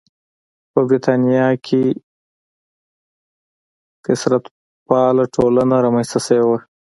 په برېټانیا کې کثرت پاله ټولنه رامنځته شوې وه.